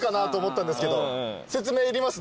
説明いりますね。